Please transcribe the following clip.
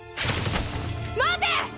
待て！